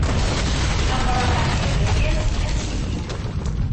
Abṛaham irra-yas: A Sidi!